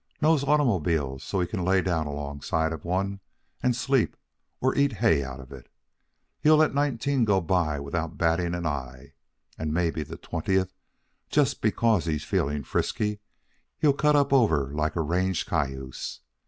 Knows automobiles so he can lay down alongside of one and sleep or eat hay out of it. He'll let nineteen go by without batting an eye, and mebbe the twentieth, just because he's feeling frisky, he'll cut up over like a range cayuse.